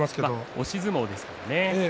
押し相撲ですからね。